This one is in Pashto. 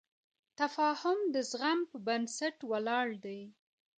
تفاهم د زغم په بنسټ ولاړ دی.